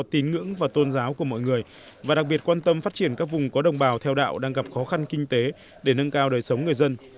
tín ngưỡng và tôn giáo của mọi người và đặc biệt quan tâm phát triển các vùng có đồng bào theo đạo đang gặp khó khăn kinh tế để nâng cao đời sống người dân